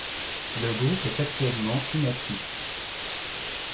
Le groupe est actuellement inactif.